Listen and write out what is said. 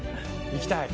行きたい！